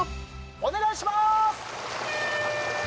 お願いしまーす！